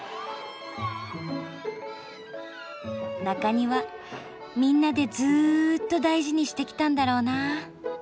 中庭みんなでずっと大事にしてきたんだろうな。